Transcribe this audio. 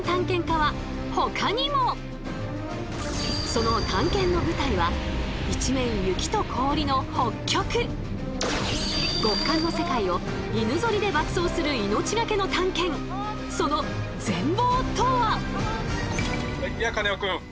その探検の舞台は一面雪と氷の極寒の世界を犬ぞりで爆走する命がけの探検その全貌とは！？